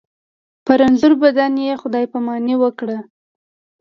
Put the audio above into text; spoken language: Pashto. په رنځور بدن یې خدای پاماني وکړه.